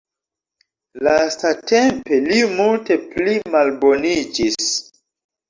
Lastatempe li multe pli malboniĝis.